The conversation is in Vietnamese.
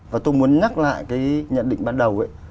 và tôi muốn nhắc lại cái nhận định ban đầu ấy